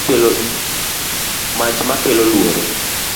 mach ma kelo luoro